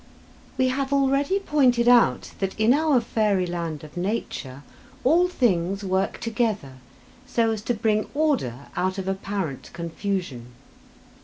We have already pointed out that in our fairy land of nature all things work together so as to bring order out of apparent confusion.